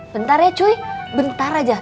bentar ya cuy bentar aja